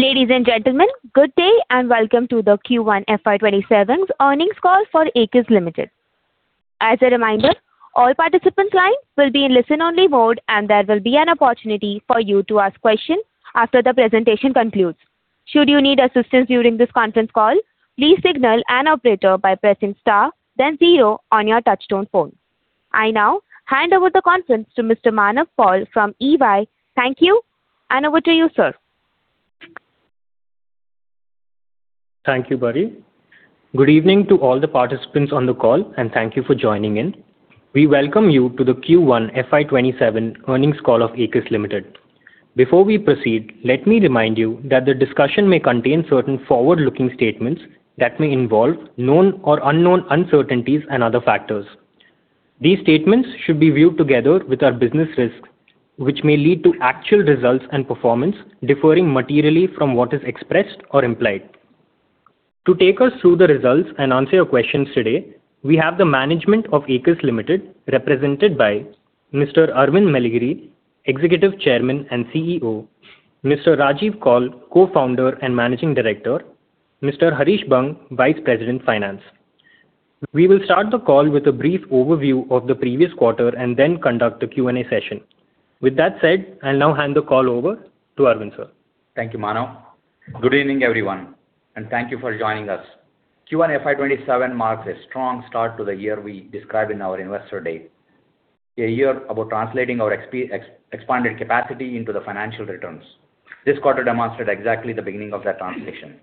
Ladies and gentlemen, good day and welcome to the Q1 FY 2027 earnings call for Aequs Limited. As a reminder, all participants' lines will be in listen only mode, and there will be an opportunity for you to ask questions after the presentation concludes. Should you need assistance during this conference call, please signal an operator by pressing star then zero on your touchtone phone. I now hand over the conference to Mr. Manav Paul from EY. Thank you, and over to you, sir. Thank you, Buddy. Good evening to all the participants on the call and thank you for joining in. We welcome you to the Q1 FY 2027 earnings call of Aequs Limited. Before we proceed, let me remind you that the discussion may contain certain forward-looking statements that may involve known or unknown uncertainties and other factors. These statements should be viewed together with our business risks, which may lead to actual results and performance differing materially from what is expressed or implied. To take us through the results and answer your questions today, we have the management of Aequs Limited represented by Mr. Aravind Melligeri, Executive Chairman and CEO, Mr. Rajeev Kaul, Co-founder and Managing Director, Mr. Harish Bang, Vice President, Finance. We will start the call with a brief overview of the previous quarter and then conduct the Q&A session. With that said, I'll now hand the call over to Arvind, sir. Thank you, Manav. Good evening, everyone, and thank you for joining us. Q1 FY 2027 marks a strong start to the year we described in our investor day. A year about translating our expanded capacity into the financial returns. This quarter demonstrated exactly the beginning of that translation.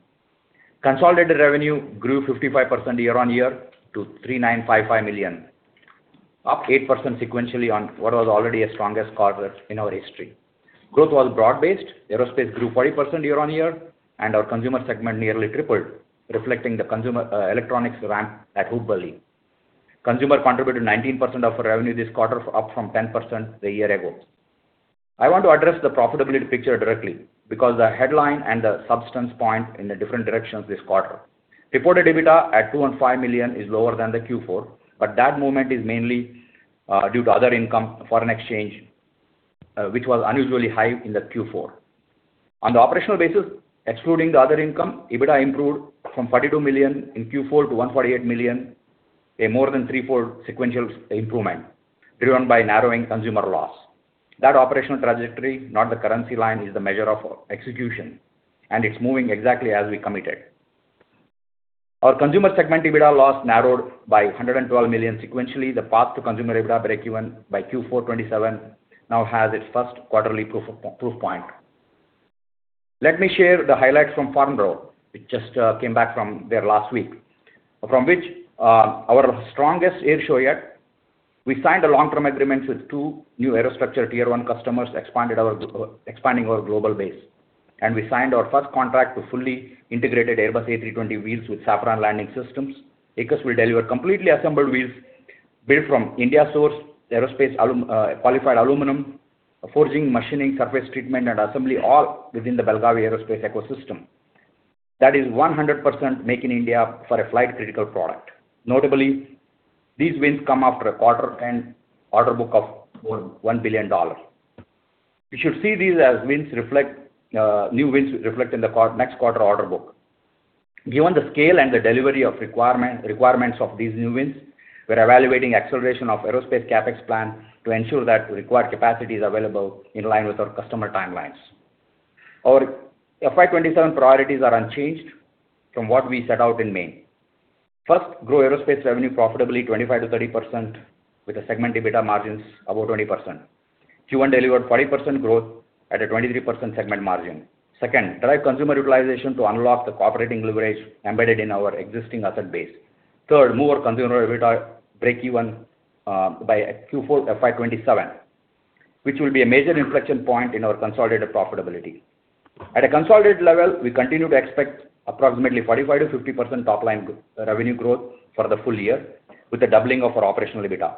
Consolidated revenue grew 55% year-on-year to 3,955 million, up 8% sequentially on what was already a strongest quarter in our history. Growth was broad-based. Aerospace grew 40% year-on-year, and our consumer segment nearly tripled, reflecting the consumer electronics ramp at Hubli. Consumer contributed 19% of our revenue this quarter, up from 10% a year ago. I want to address the profitability picture directly because the headline and the substance point in the different directions this quarter. Reported EBITDA at 215 million is lower than the Q4, but that movement is mainly due to other income foreign exchange, which was unusually high in the Q4. On the operational basis, excluding the other income, EBITDA improved from 42 million in Q4 to 148 million, a more than three-fold sequential improvement driven by narrowing consumer loss. That operational trajectory, not the currency line, is the measure of execution, and it's moving exactly as we committed. Our consumer segment EBITDA loss narrowed by 112 million sequentially. The path to consumer EBITDA breakeven by Q4 2027 now has its first quarterly proof point. Let me share the highlights from Farnborough. We just came back from there last week. From which our strongest air show yet. We signed the long-term agreements with two new aerostructure tier one customers expanding our global base. We signed our first contract to fully integrated Airbus A320 wheels with Safran Landing Systems. Aequs will deliver completely assembled wheels built from India-sourced aerospace qualified aluminum, forging, machining, surface treatment, and assembly all within the Belagavi Aerospace ecosystem. That is 100% make in India for a flight-critical product. Notably, these wins come after a quarter end order book of over $1 billion. We should see these new wins reflect in the next quarter order book. Given the scale and the delivery of requirements of these new wins, we're evaluating acceleration of aerospace CapEx plan to ensure that required capacity is available in line with our customer timelines. Our FY 2027 priorities are unchanged from what we set out in May. First, grow aerospace revenue profitably 25%-30% with a segment EBITDA margins above 20%. Q1 delivered 40% growth at a 23% segment margin. Second, drive consumer utilization to unlock the cooperating leverage embedded in our existing asset base. Third, more consumer EBITDA breakeven by Q4 FY 2027, which will be a major inflection point in our consolidated profitability. At a consolidated level, we continue to expect approximately 45%-50% top-line revenue growth for the full year with a doubling of our operational EBITDA.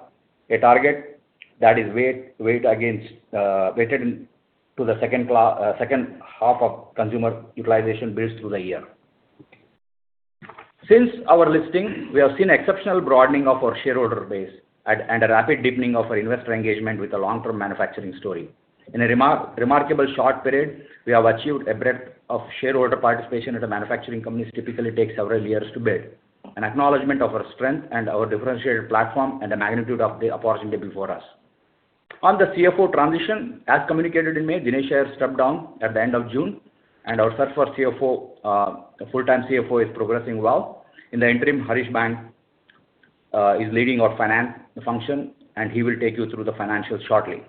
A target that is weighted to the second half of consumer utilization builds through the year. Since our listing, we have seen exceptional broadening of our shareholder base and a rapid deepening of our investor engagement with a long-term manufacturing story. In a remarkable short period, we have achieved a breadth of shareholder participation that a manufacturing company typically takes several years to build. An acknowledgment of our strength and our differentiated platform and the magnitude of the opportunity before us. On the CFO transition, as communicated in May, Dinesh Iyer stepped down at the end of June, and our search for a full-time CFO is progressing well. In the interim, Harish Bang is leading our finance function, and he will take you through the financials shortly.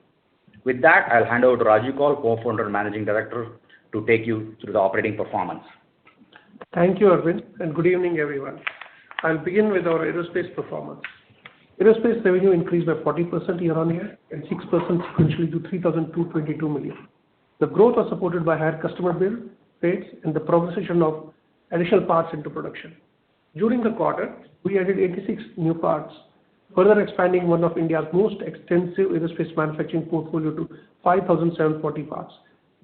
With that, I'll hand over to Rajeev Kaul, Co-founder and Managing Director to take you through the operating performance. Thank you, Aravind, and good evening, everyone. I will begin with our aerospace performance. Aerospace revenue increased by 40% year-on-year and 6% sequentially to 3,222 million. The growth was supported by higher customer build rates and the progression of additional parts into production. During the quarter, we added 86 new parts, further expanding one of India's most extensive aerospace manufacturing portfolio to 5,740 parts.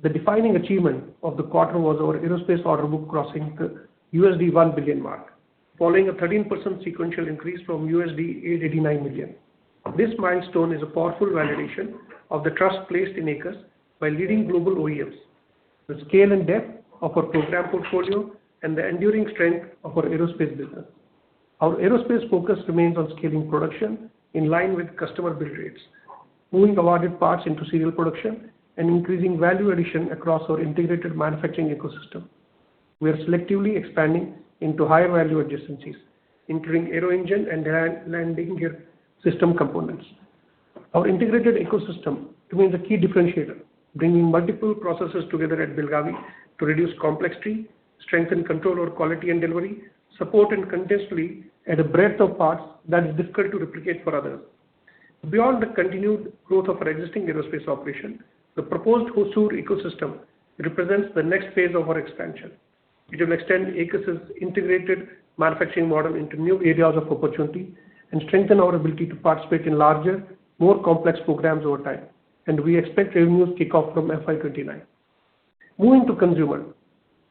The defining achievement of the quarter was our aerospace order book crossing the $1 billion mark, following a 13% sequential increase from $889 million. This milestone is a powerful validation of the trust placed in Aequs by leading global OEMs, the scale and depth of our program portfolio and the enduring strength of our aerospace business. Our aerospace focus remains on scaling production in line with customer build rates, moving awarded parts into serial production and increasing value addition across our integrated manufacturing ecosystem. We are selectively expanding into higher value adjacencies, including aeroengine and landing gear system components. Our integrated ecosystem remains a key differentiator, bringing multiple processes together at Belagavi to reduce complexity, strengthen control over quality and delivery, support and continuously at a breadth of parts that is difficult to replicate for others. Beyond the continued growth of our existing aerospace operation, the proposed Hosur ecosystem represents the next phase of our expansion. It will extend Aequs' integrated manufacturing model into new areas of opportunity and strengthen our ability to participate in larger, more complex programs over time, and we expect revenues to kick off from FY 2029. Moving to consumer.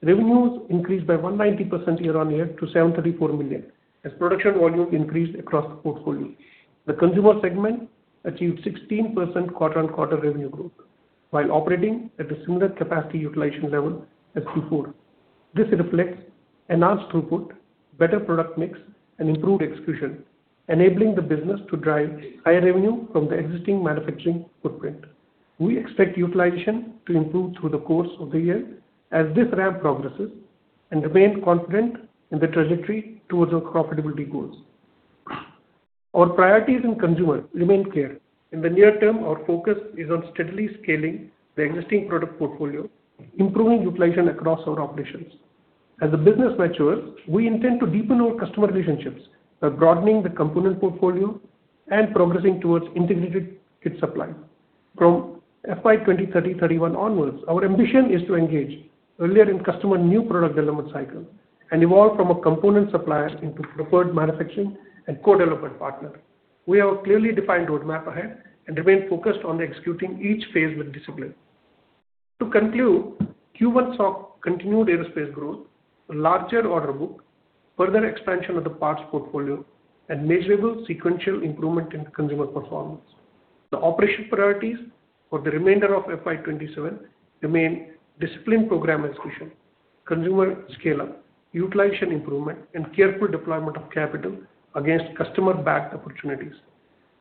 Revenues increased by 190% year-on-year to 734 million as production volumes increased across the portfolio. The consumer segment achieved 16% quarter-on-quarter revenue growth while operating at a similar capacity utilization level as Q4. This reflects enhanced throughput, better product mix and improved execution, enabling the business to drive higher revenue from the existing manufacturing footprint. We expect utilization to improve through the course of the year as this ramp progresses and remain confident in the trajectory towards our profitability goals. Our priorities in consumer remain clear. In the near term, our focus is on steadily scaling the existing product portfolio, improving utilization across our operations. As the business matures, we intend to deepen our customer relationships by broadening the component portfolio and progressing towards integrated kit supply. From FY 2030/2031 onwards, our ambition is to engage earlier in customer new product development cycle and evolve from a component supplier into preferred manufacturing and co-development partner. We have a clearly defined roadmap ahead and remain focused on executing each phase with discipline. To conclude, Q1 saw continued aerospace growth, a larger order book, further expansion of the parts portfolio and measurable sequential improvement in consumer performance. The operation priorities for the remainder of FY 2027 remain disciplined program execution, consumer scale up, utilization improvement and careful deployment of capital against customer backed opportunities.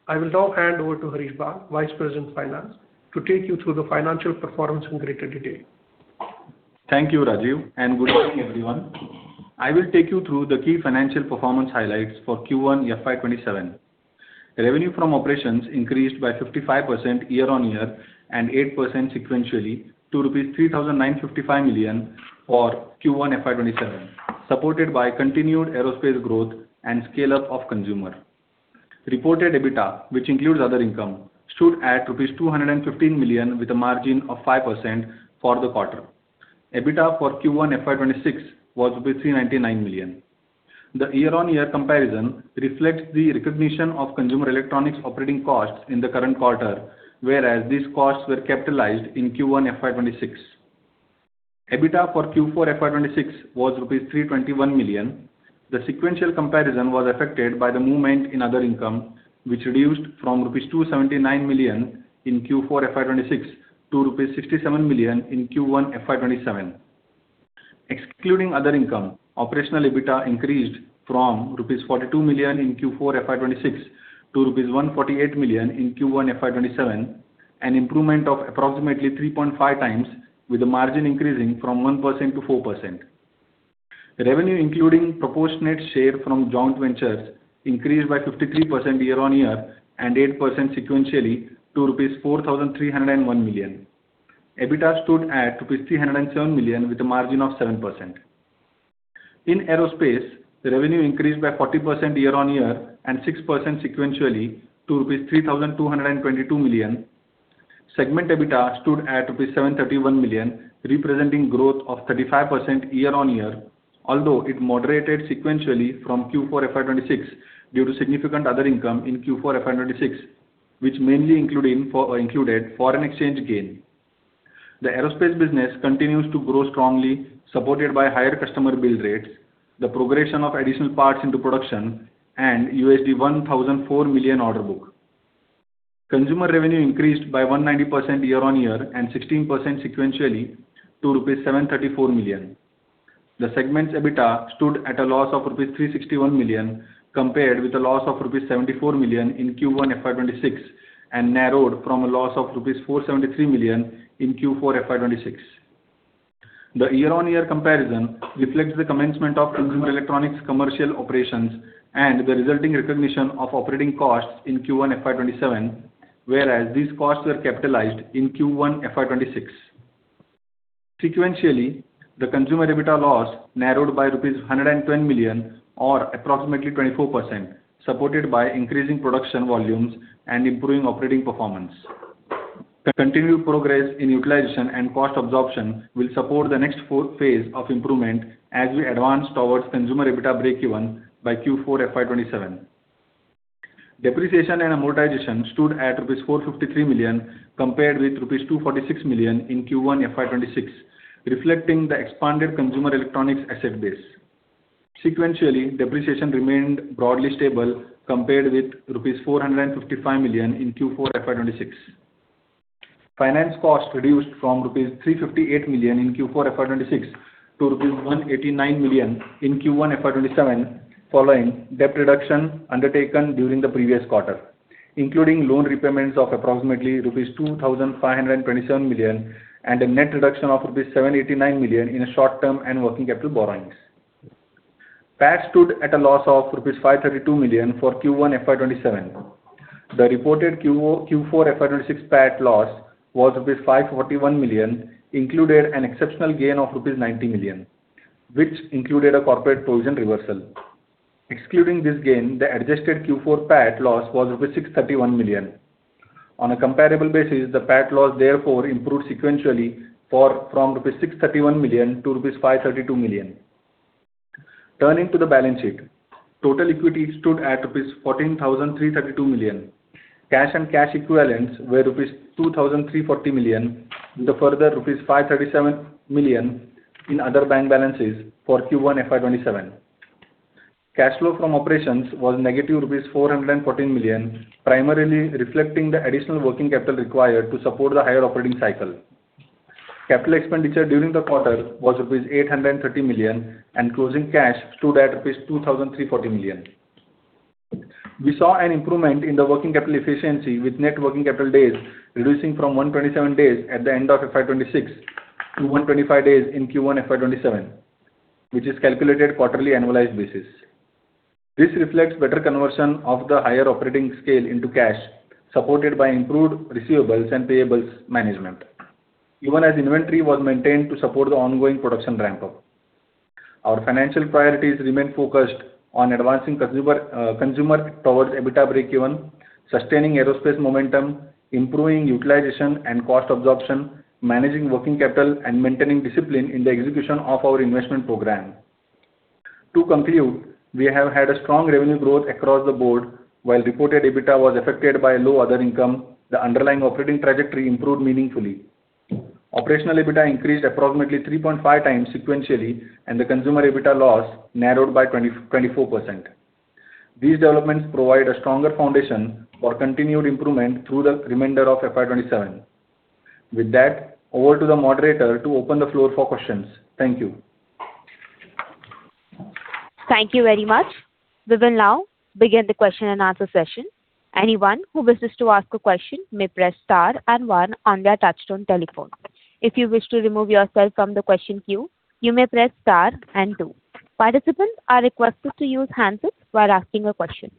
I will now hand over to Harish Bang, Vice President, Finance, to take you through the financial performance in greater detail. Thank you, Rajeev, and good morning, everyone. I will take you through the key financial performance highlights for Q1 FY 2027. Revenue from operations increased by 55% year-on-year and 8% sequentially to rupees 3,955 million for Q1 FY 2027, supported by continued aerospace growth and scale up of consumer. Reported EBITDA, which includes other income, stood at rupees 215 million with a margin of 5% for the quarter. EBITDA for Q1 FY 2026 was 399 million. The year-on-year comparison reflects the recognition of consumer electronics operating costs in the current quarter, whereas these costs were capitalized in Q1 FY 2026. EBITDA for Q4 FY 2026 was 321 million rupees. The sequential comparison was affected by the movement in other income, which reduced from rupees 279 million in Q4 FY 2026 to rupees 67 million in Q1 FY 2027. Excluding other income, operational EBITDA increased from rupees 42 million in Q4 FY 2026 to rupees 148 million in Q1 FY 2027, an improvement of approximately 3.5 times, with the margin increasing from 1% to 4%. Revenue, including proportionate share from joint ventures, increased by 53% year-on-year and 8% sequentially to rupees 4,301 million. EBITDA stood at rupees 307 million with a margin of 7%. In aerospace, revenue increased by 40% year-on-year and 6% sequentially to rupees 3,222 million. Segment EBITDA stood at rupees 731 million representing growth of 35% year-on-year although it moderated sequentially from Q4 FY 2026 due to significant other income in Q4 FY 2026 which mainly included foreign exchange gain. The aerospace business continues to grow strongly, supported by higher customer build rates, the progression of additional parts into production and $1,004 million order book. Consumer revenue increased by 190% year-on-year and 16% sequentially to 734 million rupees. The segment's EBITDA stood at a loss of 361 million, compared with a loss of rupees 74 million in Q1 FY 2026 and narrowed from a loss of rupees 473 million in Q4 FY 2026. The year-on-year comparison reflects the commencement of consumer electronics commercial operations and the resulting recognition of operating costs in Q1 FY 2027, whereas these costs were capitalized in Q1 FY 2026. Sequentially, the consumer EBITDA loss narrowed by rupees 110 million or approximately 24%, supported by increasing production volumes and improving operating performance. The continued progress in utilization and cost absorption will support the next phase of improvement as we advance towards consumer EBITDA break-even by Q4 FY 2027. Depreciation and amortization stood at 453 million, compared with rupees 246 million in Q1 FY 2026, reflecting the expanded consumer electronics asset base. Sequentially, depreciation remained broadly stable compared with rupees 455 million in Q4 FY 2026. Finance cost reduced from rupees 358 million in Q4 FY 2026 to rupees 189 million in Q1 FY 2027, following debt reduction undertaken during the previous quarter, including loan repayments of approximately rupees 2,527 million, and a net reduction of rupees 789 million in short-term and working capital borrowings. PAT stood at a loss of rupees 532 million for Q1 FY 2027. The reported Q4 FY 2026 PAT loss was INR 541 million, included an exceptional gain of INR 90 million, which included a corporate provision reversal. Excluding this gain, the adjusted Q4 PAT loss was INR 631 million. On a comparable basis, the PAT loss therefore improved sequentially from INR 631 million to INR 532 million. Turning to the balance sheet. Total equity stood at INR 14,332 million. Cash and cash equivalents were INR 2,340 million, with a further INR 537 million in other bank balances for Q1 FY 2027. Cash flow from operations was negative rupees 414 million, primarily reflecting the additional working capital required to support the higher operating cycle. Capital expenditure during the quarter was INR 830 million, and closing cash stood at INR 2,340 million. We saw an improvement in the working capital efficiency, with net working capital days reducing from 127 days at the end of FY 2026 to 125 days in Q1 FY 2027, which is calculated quarterly annualized basis. This reflects better conversion of the higher operating scale into cash, supported by improved receivables and payables management, even as inventory was maintained to support the ongoing production ramp-up. Our financial priorities remain focused on advancing consumer towards EBITDA break-even, sustaining aerospace momentum, improving utilization and cost absorption, managing working capital, and maintaining discipline in the execution of our investment program. To conclude, we have had a strong revenue growth across the board. While reported EBITDA was affected by low other income, the underlying operating trajectory improved meaningfully. Operational EBITDA increased approximately 3.5 times sequentially, and the consumer EBITDA loss narrowed by 24%. These developments provide a stronger foundation for continued improvement through the remainder of FY 2027. With that, over to the moderator to open the floor for questions. Thank you. Thank you very much. We will now begin the question and answer session. Anyone who wishes to ask a question may press star and one on their touchtone telephone. If you wish to remove yourself from the question queue, you may press star and two. Participants are requested to use handsets while asking a question.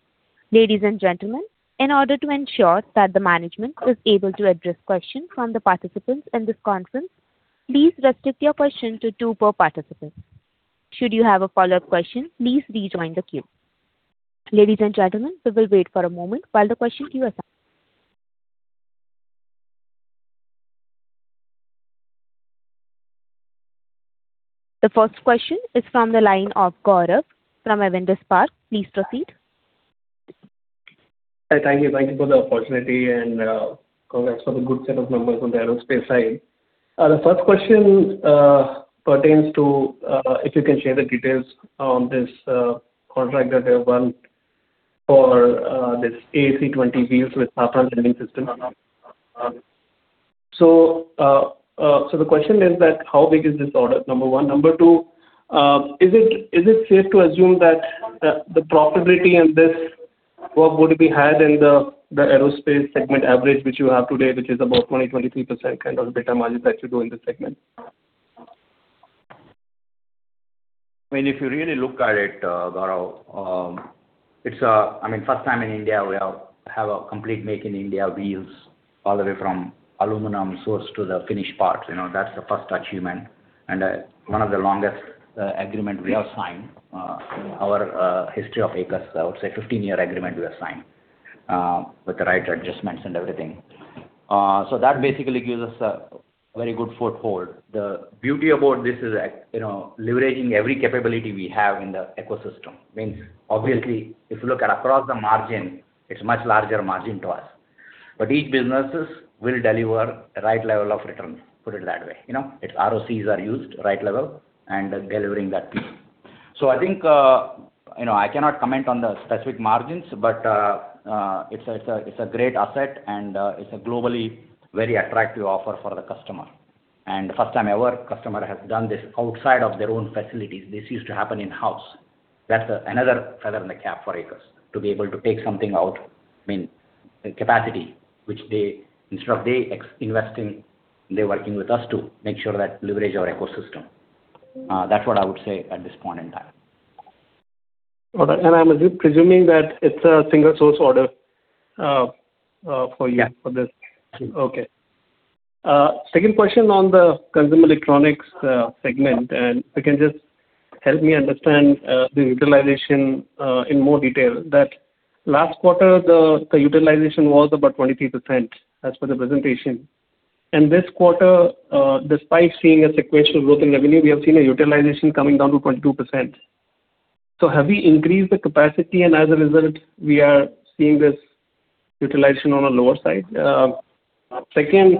Ladies and gentlemen, in order to ensure that the management is able to address questions from the participants in this conference, please restrict your question to two per participant. Should you have a follow-up question, please rejoin the queue. Ladies and gentlemen, we will wait for a moment while the questions queue up. The first question is from the line of Gaurav from Avendus Spark. Please proceed. Hi. Thank you. Thank you for the opportunity, congrats for the good set of numbers on the aerospace side. The first question pertains to if you can share the details on this contract that you have won for this A320 wheels with Safran Landing Systems. The question is that how big is this order? Number one. Number two, is it safe to assume that the profitability in this work would be higher than the aerospace segment average which you have today, which is about 20%-23% kind of EBITDA margins that you do in this segment? If you really look at it, Gaurav, it's first time in India we have a complete Make in India wheels all the way from aluminum source to the finished part. That's the first achievement. One of the longest agreement we have signed in our history of Aequs, I would say 15-year agreement we have signed with the right adjustments and everything. So that basically gives us a very good foothold. The beauty about this is leveraging every capability we have in the ecosystem. Means obviously, if you look at across the margin, it's much larger margin to us. But each businesses will deliver the right level of returns, put it that way. Its ROCs are used right level and delivering that. So I think I cannot comment on the specific margins, but it's a great asset and it's a globally very attractive offer for the customer. The first time ever customer has done this outside of their own facilities. This used to happen in-house. That's another feather in the cap for Aequs to be able to take something out, the capacity, which instead of they investing, they're working with us to make sure that leverage our ecosystem. That's what I would say at this point in time. Got it. I'm presuming that it's a single source order for you. Yeah. For this. Okay. Second question on the consumer electronics segment, and if you can just help me understand the utilization in more detail. That last quarter, the utilization was about 23%, as per the presentation. This quarter, despite seeing a sequential growth in revenue, we have seen a utilization coming down to 22%. So have we increased the capacity, and as a result, we are seeing this utilization on a lower side. Second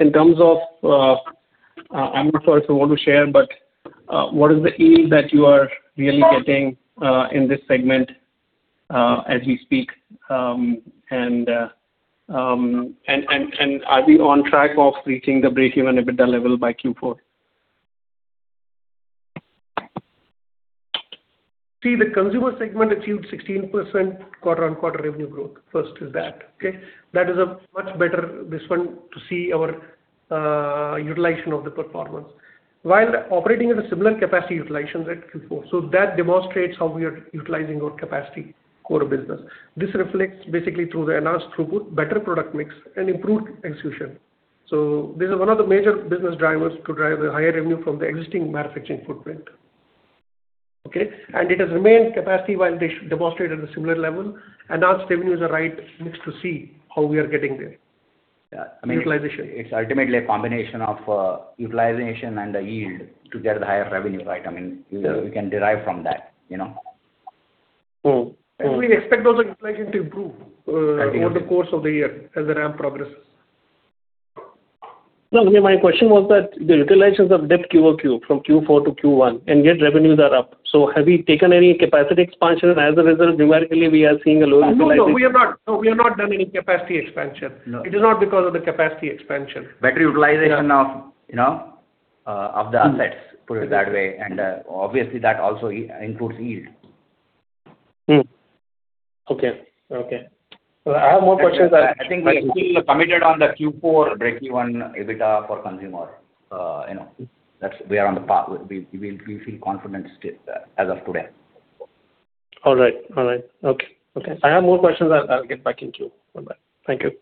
in terms of, I'm not sure if you want to share, but what is the yield that you are really getting in this segment, as we speak, and are we on track of reaching the breakeven EBITDA level by Q4? The consumer segment achieved 16% quarter-on-quarter revenue growth. First is that, okay? That is a much better this one to see our utilization of the performance while operating at a similar capacity utilization at Q4. That demonstrates how we are utilizing our capacity core business. This reflects basically through the enhanced throughput, better product mix, and improved execution. This is one of the major business drivers to drive the higher revenue from the existing manufacturing footprint. Okay? It has remained capacity while they demonstrated a similar level. Enhanced revenues are right next to see how we are getting there. Yeah. Utilization. It's ultimately a combination of utilization and yield to get the higher revenue, right? We can derive from that. We expect also utilization to improve. Absolutely. Over the course of the year as the ramp progresses. No, my question was that the utilization of depth Q-over-Q from Q4 to Q1, and yet revenues are up. Have we taken any capacity expansion as a result, numerically we are seeing a lower utilization? No, we have not done any capacity expansion. No. It is not because of the capacity expansion. Better utilization of the assets, put it that way, obviously, that also includes yield. Okay. I have more questions. I think we are still committed on the Q4 breakeven EBITDA for consumer. We are on the path. We feel confident as of today. All right. Okay. Okay. I have more questions. I'll get back in queue. Bye-bye. Thank you.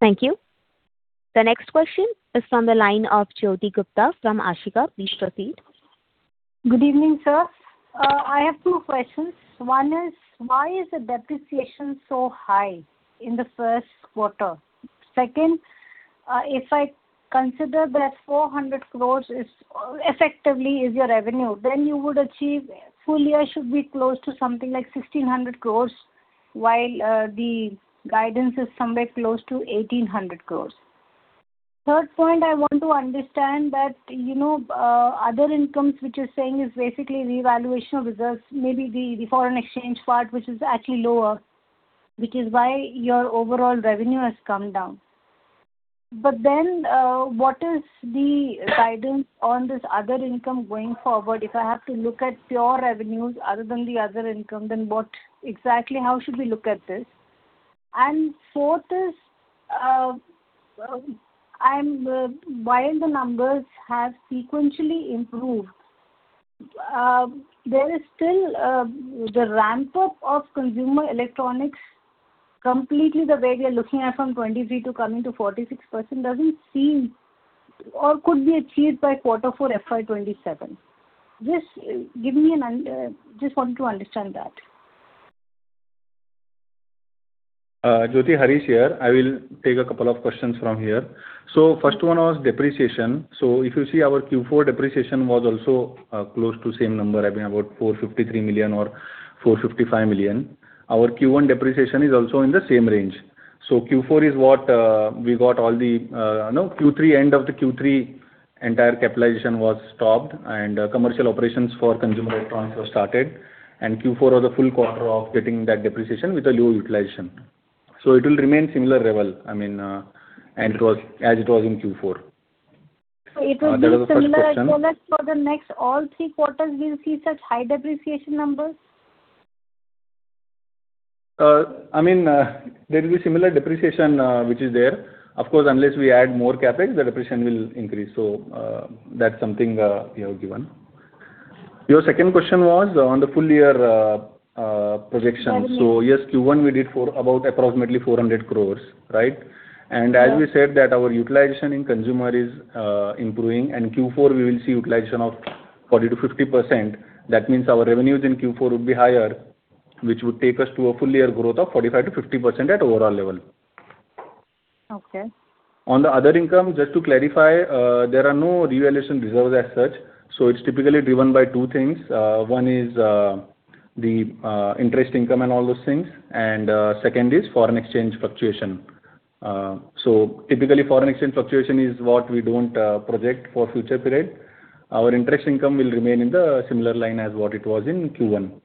Thank you. The next question is from the line of Jyoti Gupta from Ashika. Please proceed. Good evening, sir. I have two questions. One is, why is the depreciation so high in the first quarter? Second, if I consider that 400 crore effectively is your revenue, then you would achieve full year should be close to something like 1,600 crore, while the guidance is somewhere close to 1,800 crore. Third point, I want to understand that other incomes, which you're saying is basically revaluation of reserves, maybe the foreign exchange part, which is actually lower, which is why your overall revenue has come down. What is the guidance on this other income going forward? If I have to look at pure revenues other than the other income, then exactly how should we look at this? Fourth is, while the numbers have sequentially improved, there is still the ramp-up of consumer electronics completely the way we are looking at from 23%-46% doesn't seem or could be achieved by quarter four FY 2027. Just wanted to understand that. Jyoti, Harish here. I will take a couple of questions from here. First one was depreciation. If you see our Q4 depreciation was also close to same number, about 453 million or 455 million. Our Q1 depreciation is also in the same range. Q4 is what we got all the Q3, end of the Q3, entire capitalization was stopped, and commercial operations for consumer electronics was started. Q4 was a full quarter of getting that depreciation with a low utilization. It will remain similar level as it was in Q4. That was the first question. For the next all three quarters, we will see such high depreciation numbers? There will be similar depreciation which is there. Of course, unless we add more CapEx, the depreciation will increase. That is something we have given. Your second question was on the full year projection. Yeah. Yes, Q1 we did for about approximately 400 crores. Right. As we said that our utilization in consumer is improving and Q4 we will see utilization of 40%-50%. That means our revenues in Q4 would be higher, which would take us to a full year growth of 45%-50% at overall level. Okay. On the other income, just to clarify, there are no revaluation reserves as such. It's typically driven by two things. One is the interest income and all those things, and second is foreign exchange fluctuation. Typically, foreign exchange fluctuation is what we don't project for future period. Our interest income will remain in the similar line as what it was in Q1.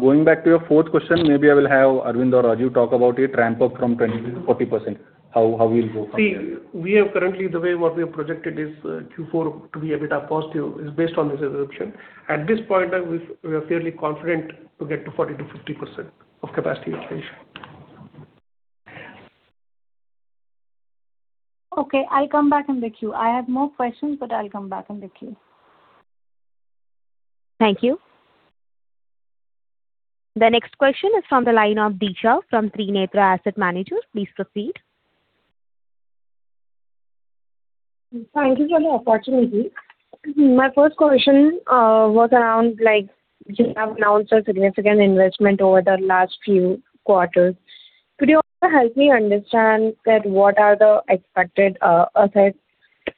Going back to your fourth question, maybe I will have Arvind or Raju talk about it, ramp up from 20% to 40%, how we'll go from there. We have currently, the way what we have projected is Q4 to be EBITDA positive is based on this assumption. At this point, we are fairly confident to get to 40% to 50% of capacity utilization. Okay. I come back in the queue. I have more questions, I'll come back in the queue. Thank you. The next question is from the line of Disha from Trinetra Asset Managers. Please proceed. Thank you for the opportunity. My first question was around you have announced a significant investment over the last few quarters. Could you also help me understand what are the expected assets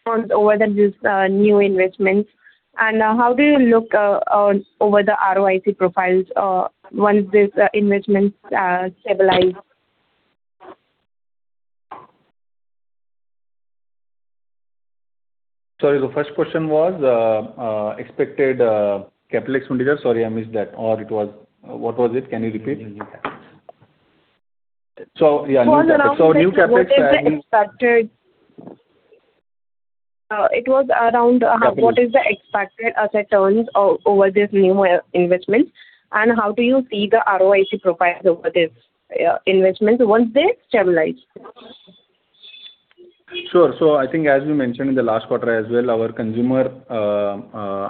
Over these new investments. How do you look over the ROIC profiles once these investments are stabilized? Sorry, the first question was expected capital expenditure. Sorry, I missed that. What was it? Can you repeat? Follow up It was around what is the expected asset turns over this new investment, and how do you see the ROIC profiles over this investment once they stabilize? Sure. I think as we mentioned in the last quarter as well, our consumer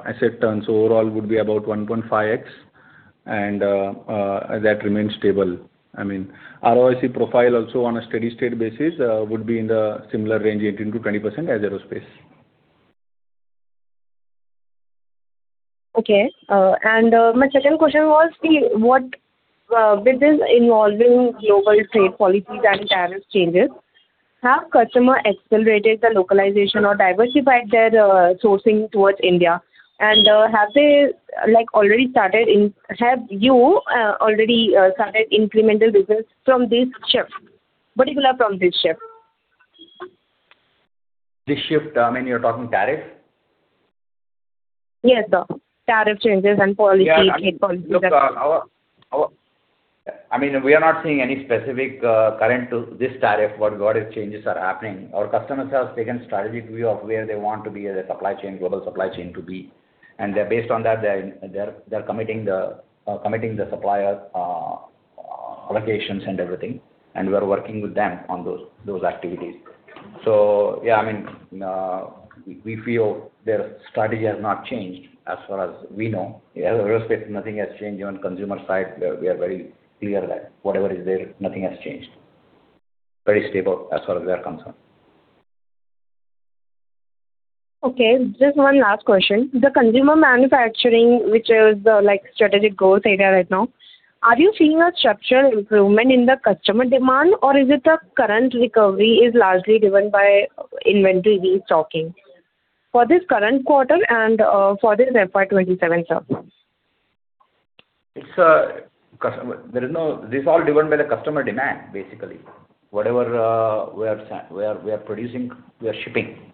asset turns overall would be about 1.5x, and that remains stable. ROIC profile also on a steady state basis would be in the similar range, 18%-20% as aerospace. Okay. My second question was, with this evolving global trade policies and tariff changes, have customers accelerated the localization or diversified their sourcing towards India? Have you already started incremental business from this shift, particular from this shift? This shift, you're talking tariff? Yes, sir. Tariff changes and policy We are not seeing any specific concern to this tariff, what tariff changes are happening. Our customers have taken strategic view of where they want to be as a supply chain, global supply chain to be. Based on that, they're committing the supplier allocations and everything. We're working with them on those activities. We feel their strategy has not changed as far as we know. Aerospace, nothing has changed. Even consumer side, we are very clear that whatever is there, nothing has changed. Very stable as far as we are concerned. Okay. Just one last question. The consumer manufacturing, which is the strategic growth area right now, are you seeing a structural improvement in the customer demand, or is it the current recovery is largely driven by inventory restocking? For this current quarter and for this FY 2027 This is all driven by the customer demand, basically. Whatever we are producing, we are shipping.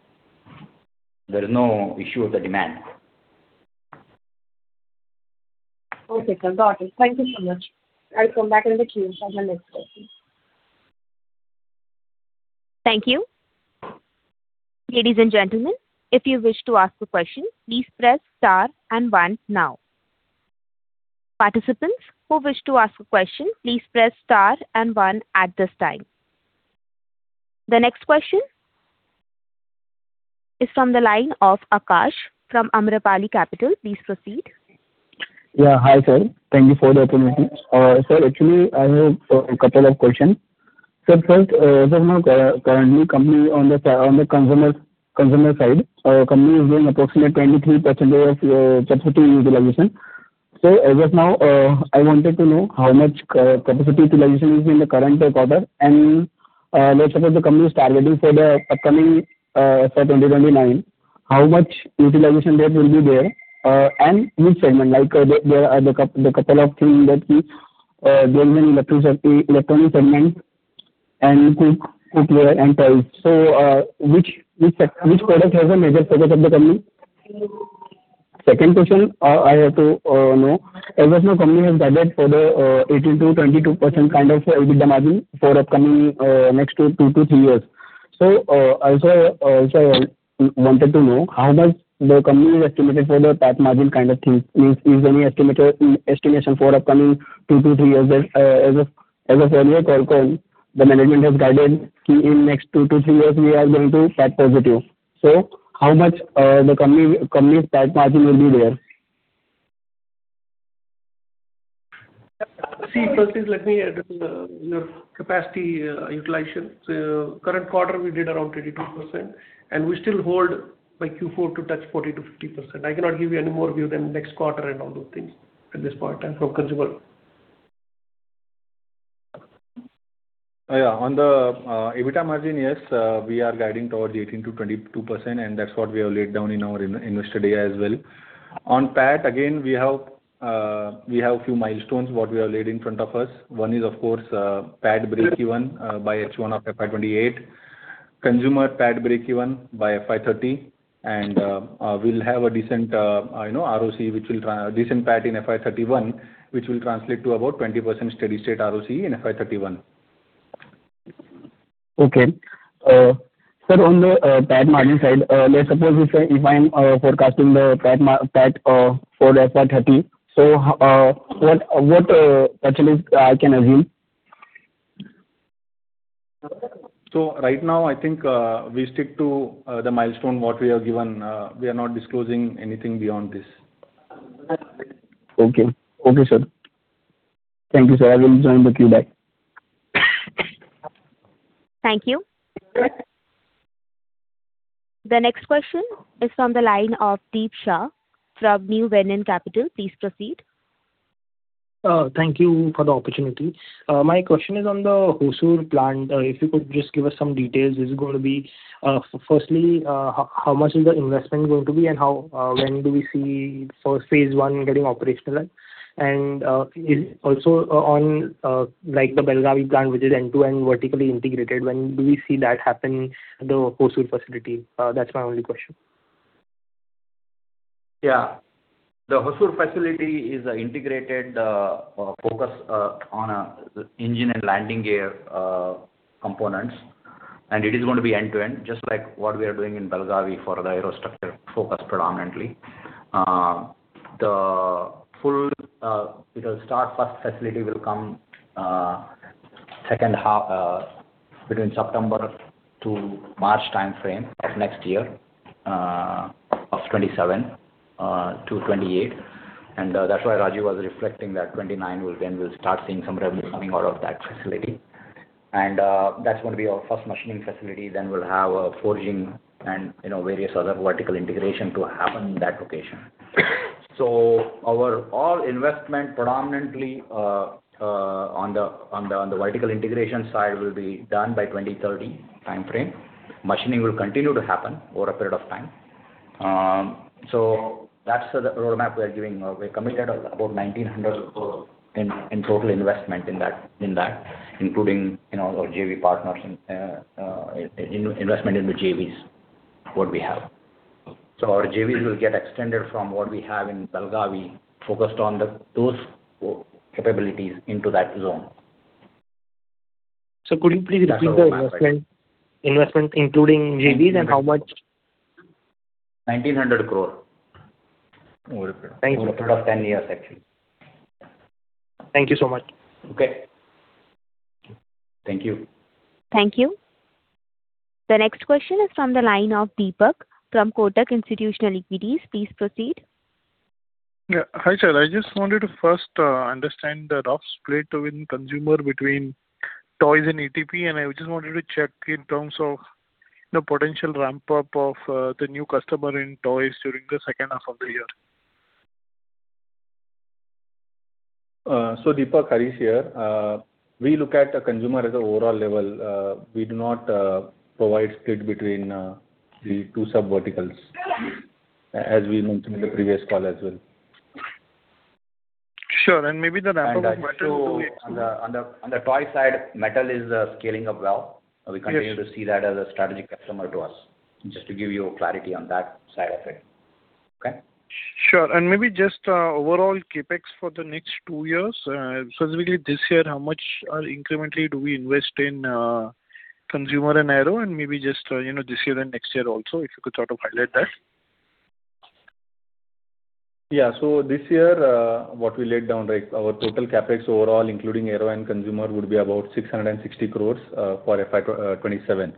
There is no issue with the demand. Okay. Got it. Thank you so much. I'll come back in the queue for my next question. Thank you. Ladies and gentlemen, if you wish to ask a question, please press star and one now. Participants who wish to ask a question, please press star and one at this time. The next question is from the line of Akash from Amrapali Capital. Please proceed. Hi, sir. Thank you for the opportunity. Actually, I have a couple of questions. First, currently, on the consumer side, company is doing approximately 23% of capacity utilization. As of now, I wanted to know how much capacity utilization is in the current quarter, and let's suppose the company is targeting for the upcoming for 2029, how much utilization rate will be there, and which segment? There are a couple of things that there's an electronics segment and cookware and tiles. Which product has a major focus of the company? Second question I have to know. As of now, company has guided for the 18%-22% kind of EBITDA margin for upcoming next two to three years. I also wanted to know how much the company has estimated for the PAT margin kind of thing. Is any estimation for upcoming two to three years as a full year forecast? The management has guided, in next two to three years, we are going to PAT positive. How much the company's PAT margin will be there? First, please let me address your capacity utilization. Current quarter, we did around 23%, and we still hold by Q4 to touch 40%-50%. I cannot give you any more view than next quarter and all those things at this point in time for consumer. On the EBITDA margin, yes, we are guiding towards 18%-22%, and that's what we have laid down in our investor day as well. On PAT, again, we have a few milestones what we have laid in front of us. One is, of course, PAT breakeven by H1 of FY 2028, consumer PAT breakeven by FY 2030, and we'll have a decent ROC, decent PAT in FY 2031, which will translate to about 20% steady state ROC in FY 2031. Okay. Sir, on the PAT margin side, let's suppose if I'm forecasting the PAT for FY 2030, so what threshold I can assume? Right now, I think we stick to the milestone what we have given. We are not disclosing anything beyond this. Okay. Okay, sir. Thank you, sir. I will join the queue back. Thank you. The next question is from the line of Deep Shah from New Vernon Capital. Please proceed. Thank you for the opportunity. My question is on the Hosur plant. If you could just give us some details. Firstly, how much is the investment going to be and when do we see phase one getting operational? Also on the Belagavi plant, which is end-to-end vertically integrated, when do we see that happen at the Hosur facility? That's my only question. Yeah. The Hosur facility is integrated, focused on engine and landing gear components, it is going to be end to end, just like what we are doing in Belagavi for the aerostructure focus predominantly. The first facility will come between September to March timeframe of next year, of 2027 to 2028. That's why Raju was reflecting that 2029, when we'll start seeing some revenue coming out of that facility. That's going to be our first machining facility. Then we'll have forging and various other vertical integration to happen in that location. All investment predominantly on the vertical integration side will be done by 2030 timeframe. Machining will continue to happen over a period of time. That's the roadmap we are giving. We're committed about 1,900 in total investment in that, including our JV partners and investment in the JVs, what we have. Our JVs will get extended from what we have in Belagavi, focused on those capabilities into that zone. Sir, could you please repeat the investment including JVs and how much? 1,900 crore. Thank you. Over a period of 10 years, actually. Thank you so much. Okay. Thank you. Thank you. The next question is from the line of Deepak from Kotak Institutional Equities. Please proceed. Yeah. Hi, sir. I just wanted to first understand the rough split within consumer between toys and ATP, and I just wanted to check in terms of the potential ramp-up of the new customer in toys during the second half of the year. Deepak, Harish here. We look at the consumer as an overall level. We do not provide split between the two sub verticals, as we mentioned in the previous call as well. Sure. Maybe the ramp-up On the toy side, Mattel is scaling up well. Yes. We continue to see that as a strategic customer to us, just to give you clarity on that side of it. Okay? Sure. Maybe just overall CapEx for the next two years, specifically this year, how much are incrementally do we invest in consumer and aero and maybe just this year and next year also, if you could sort of highlight that. Yeah. This year, what we laid down, our total CapEx overall, including aero and consumer, would be about 660 crore for FY 2027.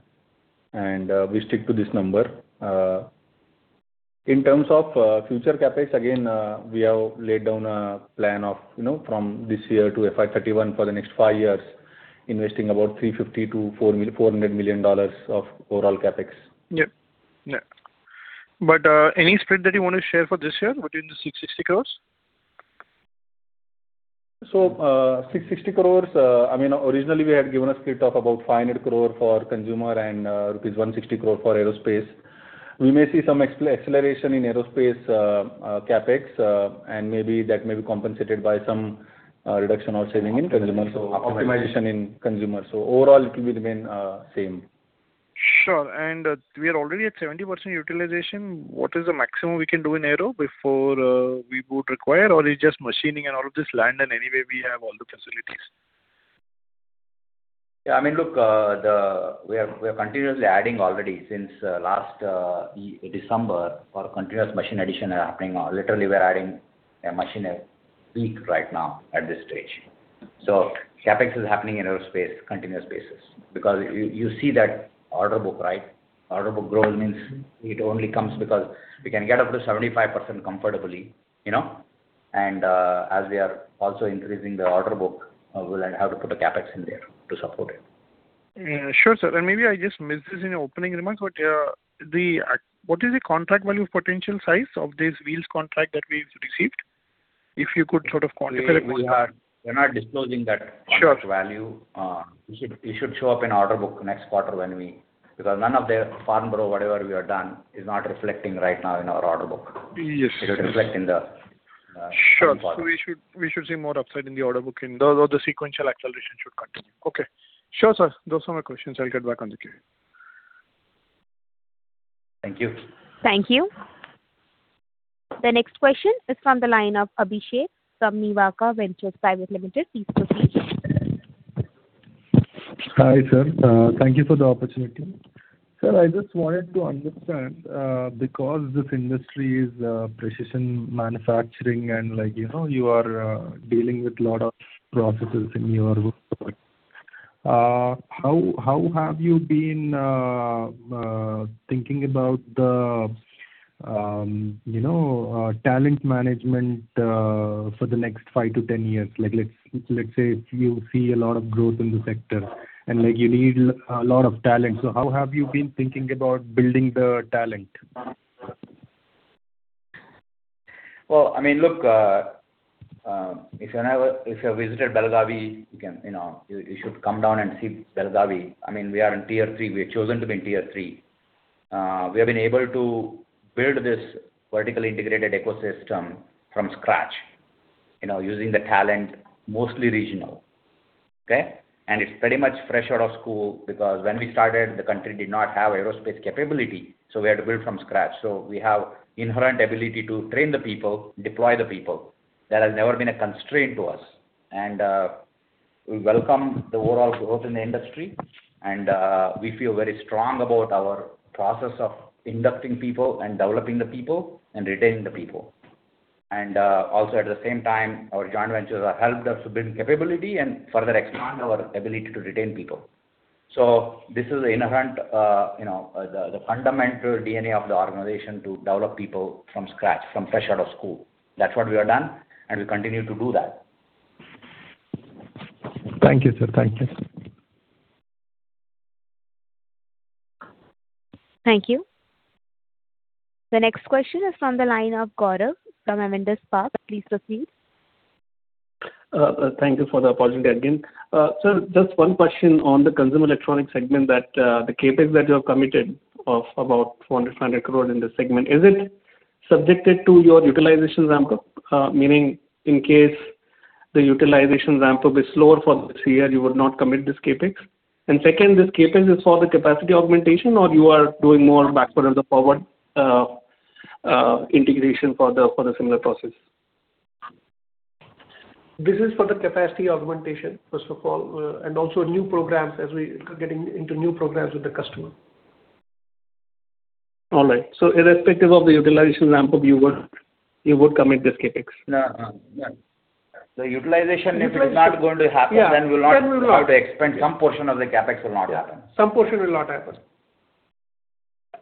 We stick to this number. In terms of future CapEx, again, we have laid down a plan of from this year to FY 2031 for the next five years, investing about $350 million-$400 million of overall CapEx. Yeah. Any split that you want to share for this year between the 660 crore? 660 crore, originally we had given a split of about 500 crore for consumer and rupees 160 crore for aerospace. We may see some acceleration in aerospace CapEx, maybe that may be compensated by some reduction or saving in consumer. Optimization in consumer. Overall, it will remain same. Sure. We are already at 70% utilization. What is the maximum we can do in aero before we would require, or is it just machining and all of this land and anyway we have all the facilities? Yeah, look, we are continuously adding already since last December for continuous machine addition happening. Literally, we're adding a machine a week right now at this stage. CapEx is happening in aerospace continuous basis because you see that order book, right? Order book growth means it only comes because we can get up to 75% comfortably. As we are also increasing the order book, we'll have to put a CapEx in there to support it. Yeah, sure sir. Maybe I just missed this in your opening remarks, but what is the contract value potential size of this wheels contract that we've received? If you could sort of quantify. We're not disclosing that contract value. Sure. It should show up in order book next quarter, because none of the Farnborough, whatever we have done, is not reflecting right now in our order book. Yes. It will reflect in the coming quarter. Sure. We should see more upside in the order book and the sequential acceleration should continue. Okay. Sure, sir. Those are my questions. I'll get back on the queue. Thank you. Thank you. The next question is from the line of Abhishek from Nivaka Ventures Private Limited. Please proceed. Hi, sir. Thank you for the opportunity. Sir, I just wanted to understand, because this industry is precision manufacturing and you are dealing with lot of processes in your workflow, how have you been thinking about the talent management for the next five to 10 years? Let's say if you see a lot of growth in the sector, and you need a lot of talent. How have you been thinking about building the talent? Well, look, if you have visited Belagavi, you should come down and see Belagavi. We are in tier three. We have chosen to be in tier three. We have been able to build this vertically integrated ecosystem from scratch using the talent, mostly regional. Okay? It's pretty much fresh out of school, because when we started, the country did not have aerospace capability, so we had to build from scratch. We have inherent ability to train the people, deploy the people. That has never been a constraint to us. We welcome the overall growth in the industry, and we feel very strong about our process of inducting people and developing the people and retaining the people. Also at the same time, our joint ventures have helped us build capability and further expand our ability to retain people. This is the inherent, the fundamental DNA of the organization to develop people from scratch, from fresh out of school. That's what we have done, and we continue to do that. Thank you, sir. Thank you. The next question is from the line of Gaurav from Avendus Spark. Please proceed. Thank you for the opportunity again. Sir, just one question on the consumer electronics segment that the CapEx that you have committed of about 400, 100 crore in this segment. Is it subjected to your utilization ramp-up? Meaning, in case the utilization ramp-up is slower for this year, you would not commit this CapEx? Second, this CapEx is for the capacity augmentation, or you are doing more backward and forward integration for the similar process? This is for the capacity augmentation, first of all. Also new programs, as we get into new programs with the customer. All right. Irrespective of the utilization ramp-up, you would commit this CapEx? Yeah. The utilization, if it is not going to happen. Yeah. We will not have to expend. Some portion of the CapEx will not happen. Yeah. Some portion will not happen.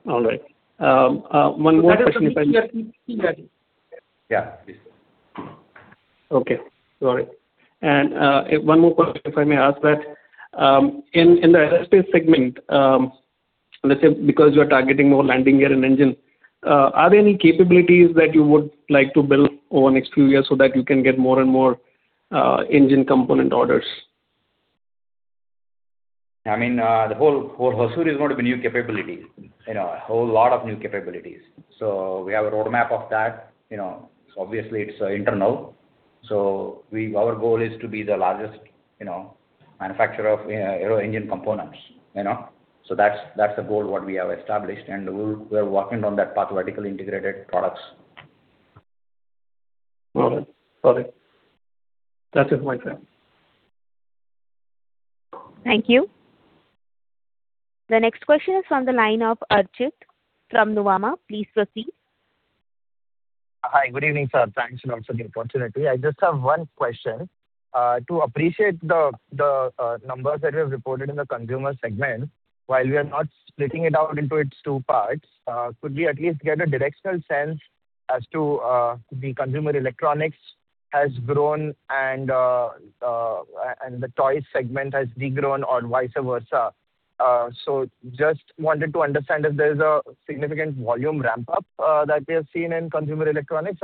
All right. One more question, if I may. That is for the three years. Yeah, please. Okay. Got it. One more question, if I may ask that. In the aerospace segment, let's say because you're targeting more landing gear and engine, are there any capabilities that you would like to build over next few years so that you can get more and more engine component orders? The whole Hosur is going to be new capabilities. A whole lot of new capabilities. We have a roadmap of that. Obviously, it's internal. Our goal is to be the largest manufacturer of aero-engine components. That's the goal, what we have established, and we are working on that path, vertically integrated products. All right. Got it. That's it from my side. Thank you. The next question is from the line of Archit from Nuvama. Please proceed. Hi. Good evening, sir. Thanks a lot for the opportunity. I just have one question. To appreciate the numbers that we have reported in the consumer segment, while we are not splitting it out into its two parts, could we at least get a directional sense as to the consumer electronics has grown and the toys segment has de-grown or vice versa? Just wanted to understand if there's a significant volume ramp-up that we have seen in consumer electronics.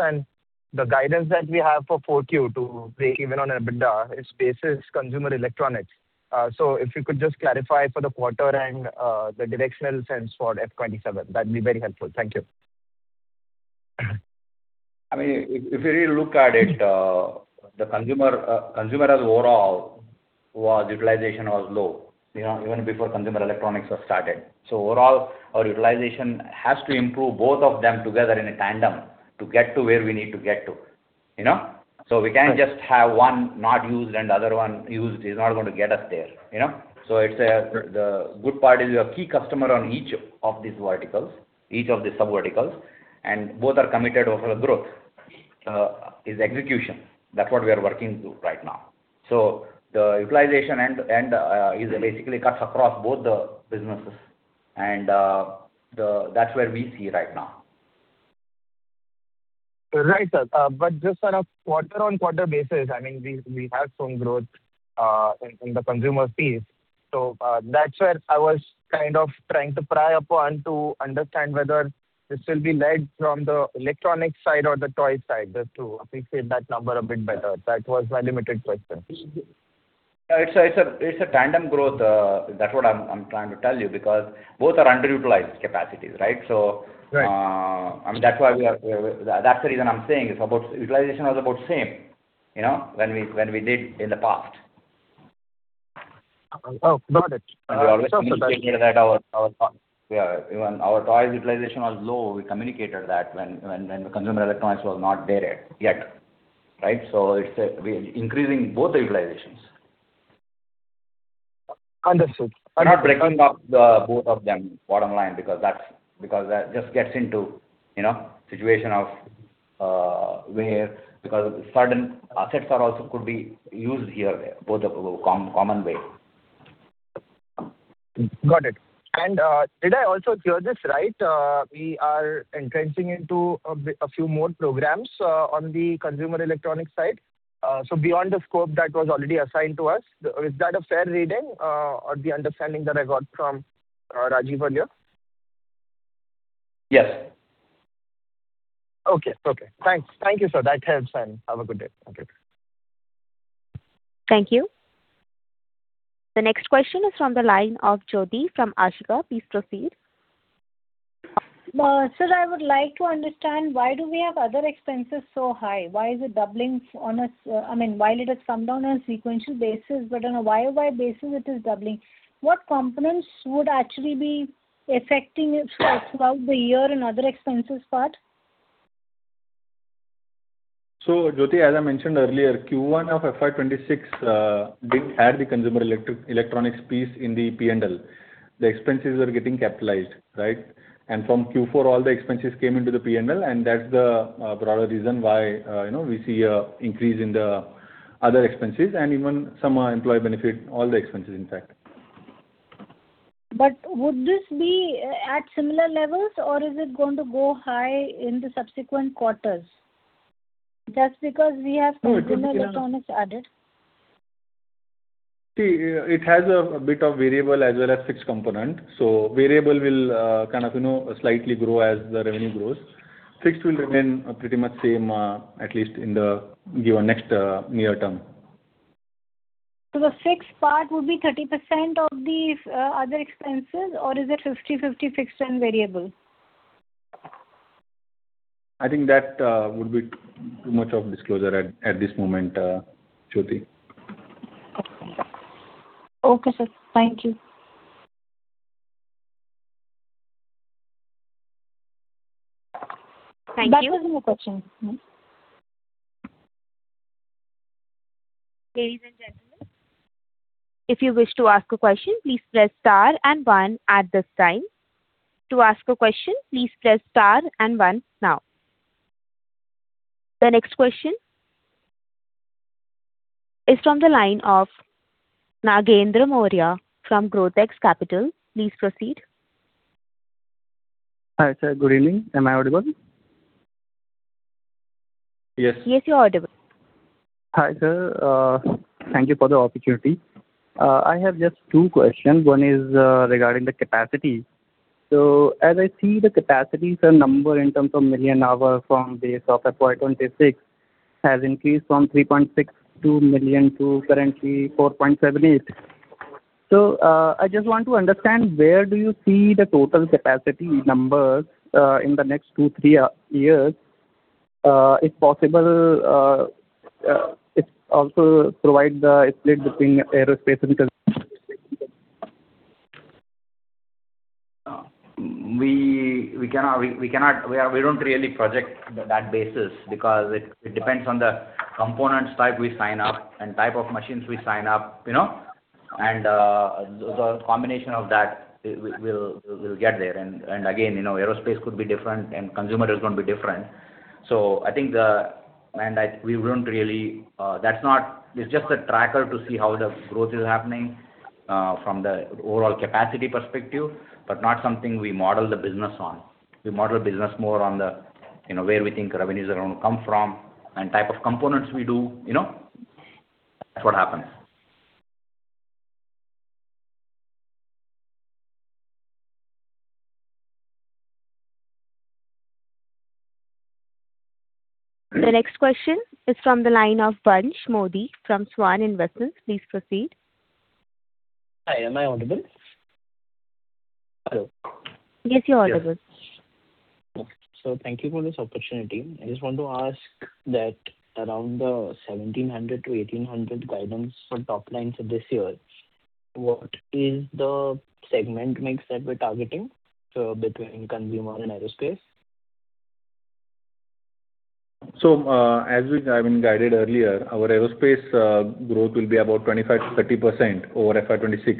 The guidance that we have for four Q to break even on EBITDA, it bases consumer electronics. If you could just clarify for the quarter and the directional sense for F 2027, that'd be very helpful. Thank you. If you really look at it, the consumer overall utilization was low, even before consumer electronics was started. Overall, our utilization has to improve both of them together in a tandem to get to where we need to get to. We can't just have one not used and other one used. It's not going to get us there. The good part is we have key customer on each of these verticals, each of the sub-verticals, and both are committed over a growth. It's execution. That's what we are working to right now. The utilization end basically cuts across both the businesses, and that's where we see right now. Right, sir. Just on a quarter-on-quarter basis, we have shown growth in the consumer space. That's where I was kind of trying to pry upon to understand whether this will be led from the electronics side or the toys side, just to appreciate that number a bit better. That was my limited question. It's a tandem growth, that's what I'm trying to tell you, because both are underutilized capacities, right? Right. That's the reason I'm saying, utilization was about the same, when we did in the past. Got it. We always communicated that our toys utilization was low. We communicated that when the consumer electronics was not there yet. Right. We're increasing both the utilizations. Understood. We're not breaking up the both of them bottom line, That just gets into situation of where certain assets are also could be used here both the common way. Got it. Did I also hear this right? We are entering into a few more programs on the consumer electronics side. Beyond the scope that was already assigned to us, is that a fair reading or the understanding that I got from Rajeev earlier? Yes. Okay. Thanks. Thank you, sir. That helps. Have a good day. Okay. Thank you. The next question is from the line of Jyoti from Ashika. Please proceed. Sir, I would like to understand why do we have other expenses so high? Why is it doubling, I mean, while it has come down on a sequential basis, but on a Y-o-Y basis it is doubling. What components would actually be affecting it throughout the year and other expenses part? Jyoti, as I mentioned earlier, Q1 of FY 2026, did have the consumer electronics piece in the P&L. The expenses were getting capitalized. Right? From Q4, all the expenses came into the P&L, and that's the broader reason why we see an increase in the other expenses and even some employee benefit, all the expenses in fact. Would this be at similar levels or is it going to go high in the subsequent quarters just because we have. No. Consumer electronics added? It has a bit of variable as well as fixed component. Variable will kind of slightly grow as the revenue grows. Fixed will remain pretty much same, at least in the given next near term. The fixed part would be 30% of these other expenses, or is it 50/50 fixed and variable? I think that would be too much of disclosure at this moment, Jyoti. Okay, sir. Thank you. Thank you. That was my question. Ladies and gentlemen, if you wish to ask a question, please press star one at this time. To ask a question, please press star one now. The next question is from the line of Nagendra Maurya from Growthx Capital. Please proceed. Hi, sir. Good evening. Am I audible? Yes. Yes, you're audible. Hi, sir. Thank you for the opportunity. I have just two questions. As I see the capacity, sir, number in terms of million hours from base of FY 2026 has increased from 3.62 million to currently 4.78. I just want to understand where do you see the total capacity numbers in the next two, three years? If possible, if also provide the split between aerospace and consumer. We don't really project that basis because it depends on the components type we sign up and type of machines we sign up. The combination of that will get there. Again, aerospace could be different and consumer is going to be different. I think it's just a tracker to see how the growth is happening from the overall capacity perspective, but not something we model the business on. We model business more on where we think revenues are going to come from and type of components we do. That's what happens. The next question is from the line of Vansh Modi from Swan Investments. Please proceed. Hi. Am I audible? Hello. Yes, you're audible. Okay, sir. Thank you for this opportunity. I just want to ask that around the 1,700-1,800 guidance for top line for this year, what is the segment mix that we're targeting between consumer and aerospace? As we guided earlier, our aerospace growth will be about 25%-30% over FY 2026.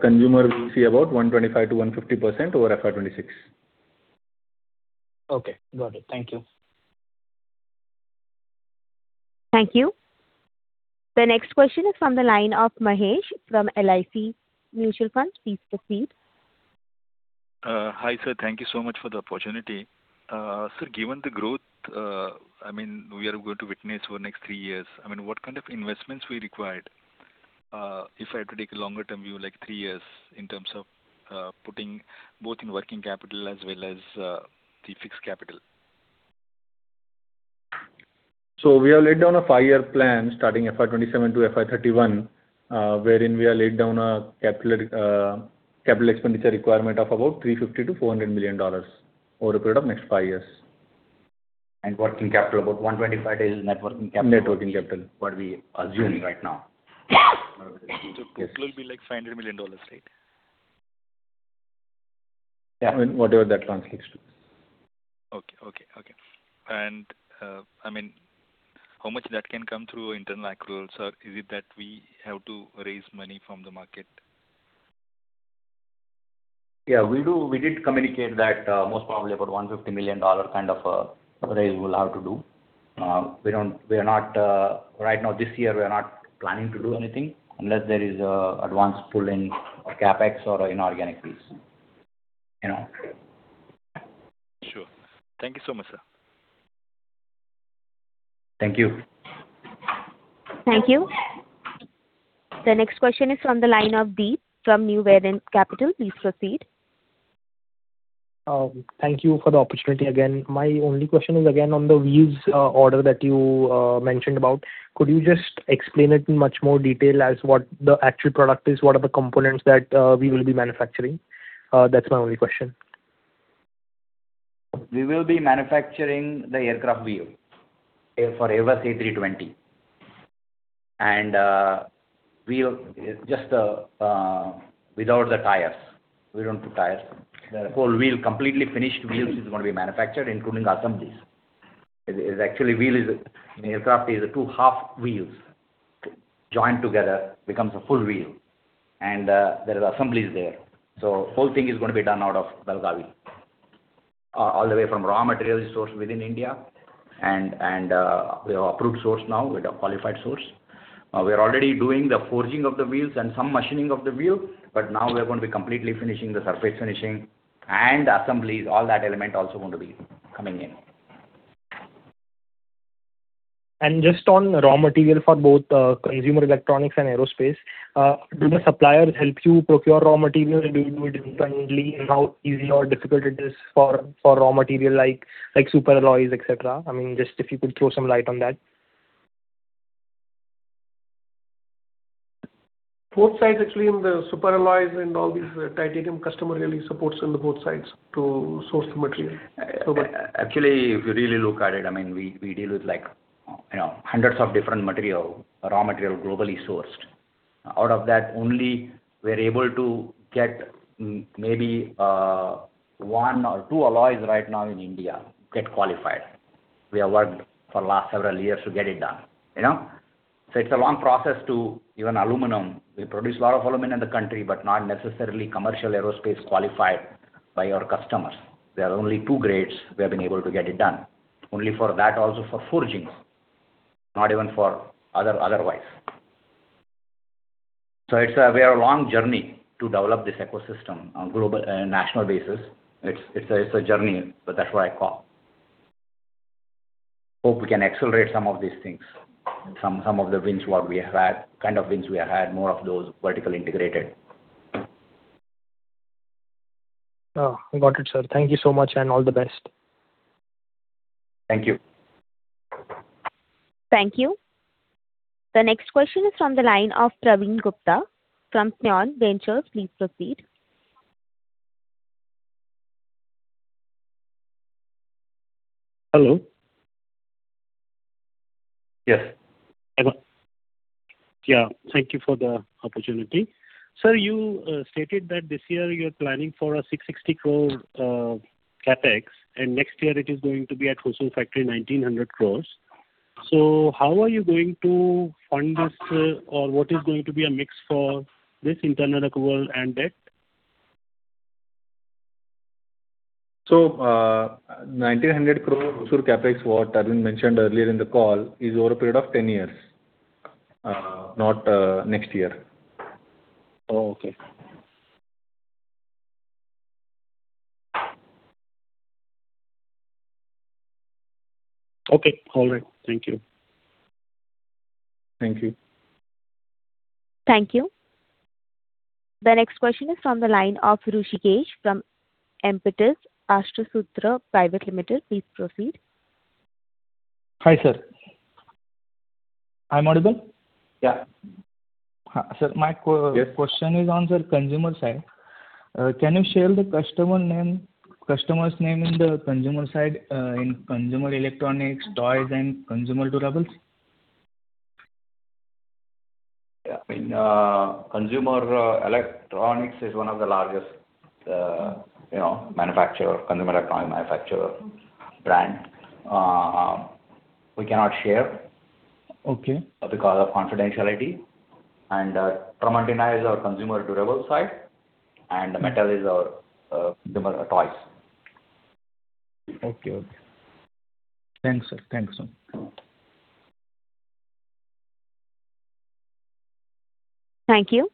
Consumer we see about 125%-150% over FY 2026. Okay, got it. Thank you. Thank you. The next question is from the line of Mahesh from LIC Mutual Fund. Please proceed. Hi, sir. Thank you so much for the opportunity. Sir, given the growth we are going to witness for next three years, what kind of investments we required? If I had to take a longer-term view, like three years in terms of putting both in working capital as well as the fixed capital. We have laid down a five-year plan starting FY 2027 to FY 2031, wherein we have laid down a capital expenditure requirement of about $350 million-$400 million over a period of next five years. Working capital, about 125 days net working capital. Net working capital. What we are assuming right now. Total will be like $500 million, right? Yeah. I mean, whatever that translates to. Okay. How much that can come through internal accruals, or is it that we have to raise money from the market? Yeah. We did communicate that most probably about INR 150 million kind of a raise we will have to do. Right now this year, we are not planning to do anything unless there is advance pull in or CapEx or inorganic piece. Sure. Thank you so much, sir. Thank you. Thank you. The next question is from the line of Deep from New Vernon Capital. Please proceed. Thank you for the opportunity again. My only question is again on the wheels order that you mentioned about. Could you just explain it in much more detail as what the actual product is? What are the components that we will be manufacturing? That's my only question. We will be manufacturing the aircraft wheel for Airbus A320. Just without the tires. We don't do tires. The whole wheel, completely finished wheels, is going to be manufactured, including assemblies. Actually, wheel in aircraft is two half wheels joined together, becomes a full wheel, and there is assemblies there. The whole thing is going to be done out of Belagavi. All the way from raw material sourced within India, and we are approved source now, we're the qualified source. We are already doing the forging of the wheels and some machining of the wheel, but now we are going to be completely finishing the surface finishing and assemblies, all that element also going to be coming in. Just on raw material for both consumer electronics and aerospace. Do the suppliers help you procure raw material? Do you do it independently? How easy or difficult it is for raw material, like super alloys, et cetera. I mean, just if you could throw some light on that. Both sides actually, in the super alloys and all these titanium customer really supports on both sides to source the material. If you really look at it, we deal with hundreds of different material, raw material globally sourced. Out of that, only we're able to get maybe one or two alloys right now in India get qualified. We have worked for last several years to get it done. It's a long process to even aluminum. We produce a lot of aluminum in the country, but not necessarily commercial aerospace qualified by our customers. There are only two grades we have been able to get it done. Only for that also for forgings, not even for otherwise. We have a long journey to develop this ecosystem on national basis. It's a journey, but that's why I call. Hope we can accelerate some of these things and some of the wins what we have had, kind of wins we have had, more of those vertically integrated. Oh, got it, sir. Thank you so much, and all the best. Thank you. Thank you. The next question is from the line of [Praveen Gupta] from [San Ventures]. Please proceed. Hello. Yes. Yeah. Thank you for the opportunity. Sir, you stated that this year you're planning for an 660 crore CapEx, and next year it is going to be at Hosur factory 1,900 crore. How are you going to fund this? What is going to be a mix for this internal accrual and debt? 1,900 crore Hosur CapEx, what Aravind mentioned earlier in the call is over a period of 10 years, not next year. Oh, okay. Okay. All right. Thank you. Thank you. Thank you. The next question is from the line of Rushikesh from Impetus Arthasutra Private Limited. Please proceed. Hi, sir. Am I audible? Yeah. Sir, my question. Yes. My question is on the consumer side. Can you share the customer's name in the consumer side, in consumer electronics, toys, and consumer durables? Yeah. In consumer electronics is one of the largest consumer electronic manufacturer brand. We cannot share. Okay. Because of confidentiality, Tramontina is our consumer durables side, Mattel is our toys. Okay. Thanks, sir. Thank you.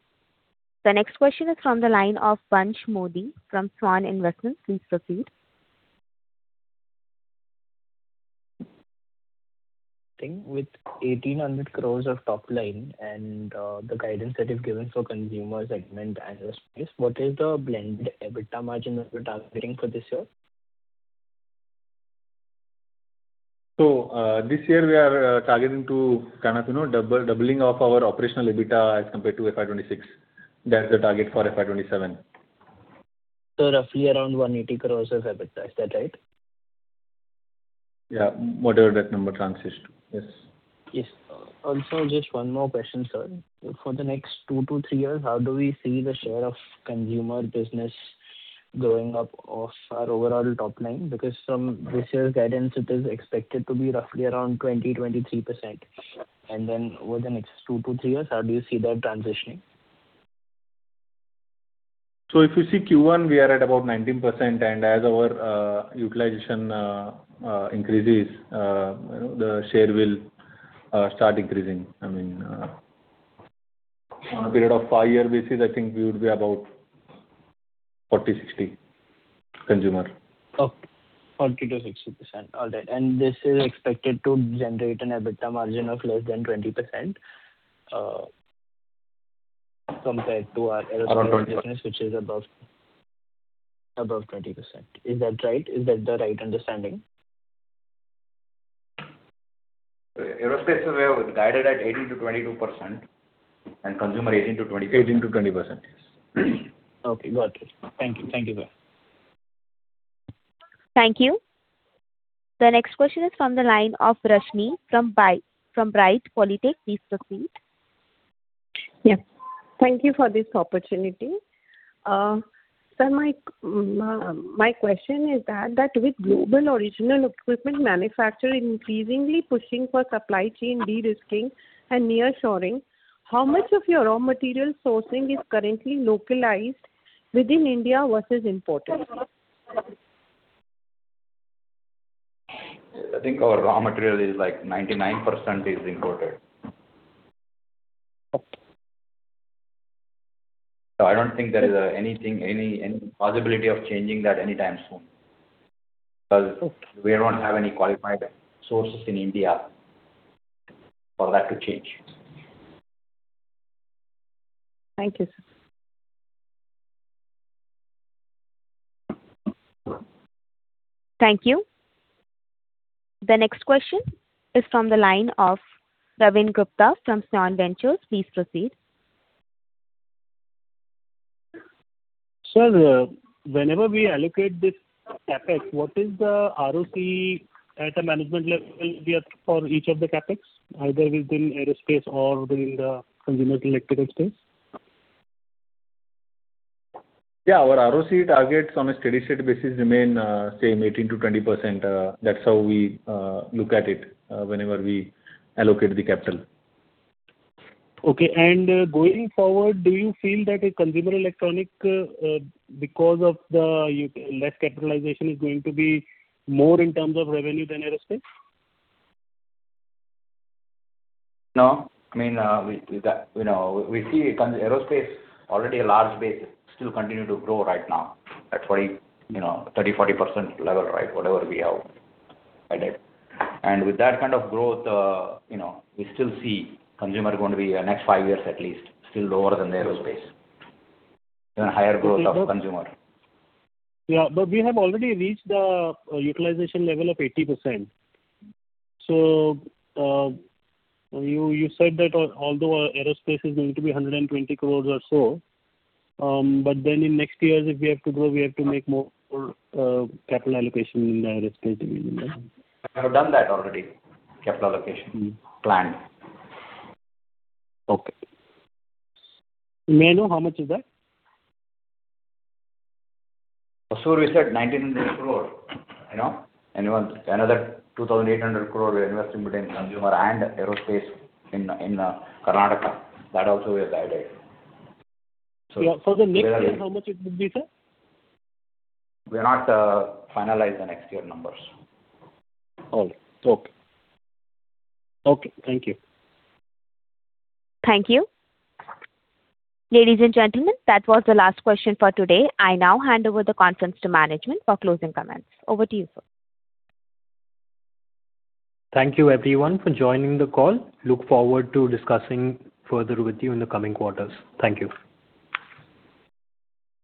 The next question is from the line of Vansh Modi from Swan Investments. Please proceed. I think with 1,800 crores of top line and the guidance that you've given for consumer segment aerospace, what is the blended EBITDA margin that you're targeting for this year? This year we are targeting to doubling of our operational EBITDA as compared to FY 2026. That's the target for FY 2027. Roughly around 180 crores of EBITDA. Is that right? Yeah. Whatever that number translates to, yes. Yes. Also, just one more question, sir. For the next two to three years, how do we see the share of consumer business going up of our overall top line? Because from this year's guidance, it is expected to be roughly around 20%-23%. Then over the next two to three years, how do you see that transitioning? If you see Q1, we are at about 19%. As our utilization increases, the share will start increasing. I mean, on a period of five-year basis, I think we would be about 40/60 consumer. Okay. 40%-60%. All right. This is expected to generate an EBITDA margin of less than 20%, compared to our aerospace business which is above 20%. Is that right? Is that the right understanding? Aerospace, we have guided at 18%-22%, consumer 18%-20%. 18%-20%, yes. Okay, got it. Thank you. Thank you, sir. Thank you. The next question is from the line of Rashmi from [Bright Quality]. Please proceed. Thank you for this opportunity. Sir, my question is that with global original equipment manufacturer increasingly pushing for supply chain de-risking and nearshoring, how much of your raw material sourcing is currently localized within India versus imported? I think our raw material is like 99% is imported. Okay. I don't think there is any possibility of changing that anytime soon. Okay. We don't have any qualified sources in India for that to change. Thank you, sir. Thank you. The next question is from the line of [Ravin Gupta] from [San Ventures]. Please proceed. Sir, whenever we allocate this CapEx, what is the ROC at a management level for each of the CapEx, either within aerospace or within the consumer electrical space? Yeah. Our ROC targets on a steady state basis remain same, 18%-20%. That's how we look at it whenever we allocate the capital. Okay. Going forward, do you feel that consumer electronic, because of the less capitalization, is going to be more in terms of revenue than aerospace? No. We see aerospace, already a large base, still continue to grow right now at 30%-40% level, whatever we have guided. With that kind of growth, we still see consumer going to be, next five years at least, still lower than the aerospace. Even higher growth of consumer. We have already reached the utilization level of 80%. You said that although our aerospace is going to be 120 crores or so, in next years, if we have to grow, we have to make more capital allocation in the aerospace division. We have done that already, capital allocation planning. Okay. May I know, how much is that? Hosur we said 1,900 crore. Another 2,800 crore we're investing between consumer and aerospace in Karnataka. That also we have guided. Yeah, for the next year, how much it would be, sir? We have not finalized the next year numbers. All right. Okay. Okay, thank you. Thank you. Ladies and gentlemen, that was the last question for today. I now hand over the conference to management for closing comments. Over to you, sir. Thank you everyone for joining the call. Look forward to discussing further with you in the coming quarters. Thank you.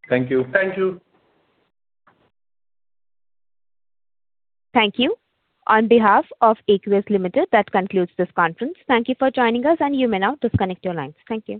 Thank you. Thank you. Thank you. On behalf of Aequs Limited, that concludes this conference. Thank you for joining us, and you may now disconnect your lines. Thank you.